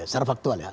secara faktual ya